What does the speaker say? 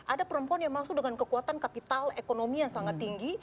ada perempuan yang masuk dengan kekuatan kapital ekonomi yang sangat tinggi